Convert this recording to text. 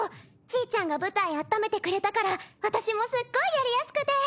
ちーちゃんが舞台あっためてくれたから私もすっごいやりやすくて。